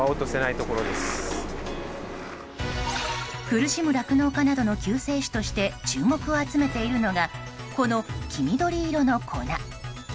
苦しむ酪農家などの救世主として注目を集めているのがこの黄緑色の粉。